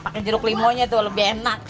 pakai jeruk limonya tuh lebih enak